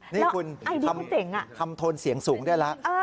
นี่คุณทำทนเสียงสูงได้แล้ว